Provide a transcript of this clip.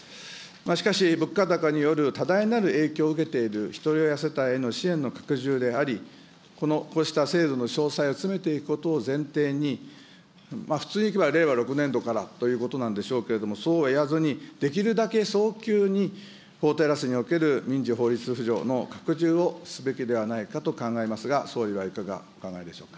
しかし、物価高による多大なる影響を受けているひとり親世帯への支援の拡充であり、こうした制度の詳細を詰めていくことを前提に、普通にいけば令和６年度からということなんでしょうけど、そうはいわずに、できるだけ早急に法テラスにおける民事法律扶助の拡充をすべきではないかと考えますが、総理はいかがお考えでしょうか。